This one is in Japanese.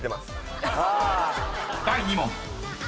［第２問］